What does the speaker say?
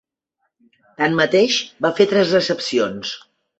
Tanmateix, va fer tres recepcions.